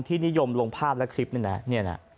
ที่นิยมลงภาพและคลิปนั้น